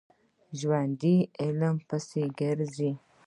ژوندي علم پسې ګرځي